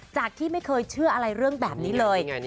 จากที่ไม่เคยเชื่ออะไรเรื่องแบบนี้เลย